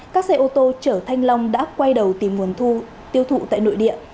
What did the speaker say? các xe ô tô chở thanh long đã quay đầu tìm nguồn thu tiêu thụ tại nội địa